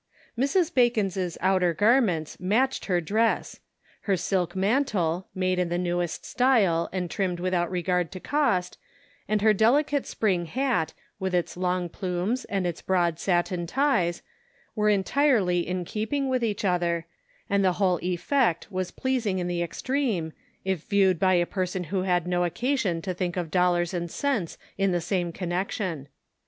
Mrs. Bacon's outer garments matched her dress ; her silk mantle, made in the newest style and trimmed without regard to cost, and her delicate spring hat, with its long plumes and its broad satin ties, were entirely in keeping with each other, and the whole effect was pleasing in the extreme, if viewed by a person who had no occasion to think of dollars and cents in the same connection.